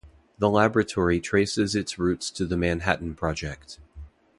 The Laboratory traces its roots to the Manhattan Project.